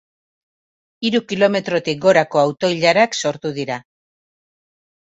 Hiru kilometrotik gorako auto-ilarak sortu dira.